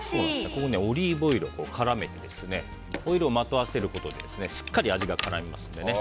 ここにオリーブオイルを絡めてオイルをまとわせることでしっかり味が絡みますので。